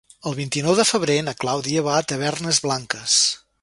El vint-i-nou de febrer na Clàudia va a Tavernes Blanques.